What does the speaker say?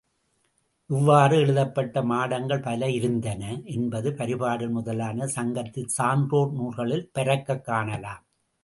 இவ்வாறு எழுதப்பட்ட மாடங்கள் பல இருத்தன என்பது பரிபாடல் முதலான சங்கத்துச் சான்றோர் நூல்களில் பரக்கக் காணலாம்.